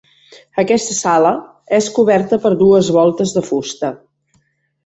Aquesta sala és coberta per dues voltes de fusta.